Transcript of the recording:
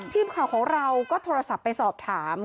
ทีมข่าวของเราก็โทรศัพท์ไปสอบถาม